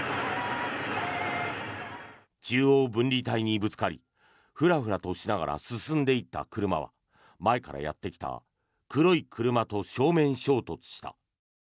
中央分離帯にぶつかりふらふらとしながら進んでいった車は前からやってきた黒い車と正面衝突した。